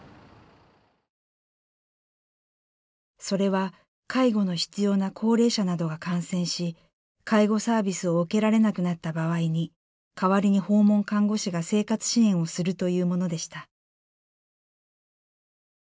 それは介護の必要な高齢者などが感染し介護サービスを受けられなくなった場合に代わりに訪問看護師が生活支援をするというものでした。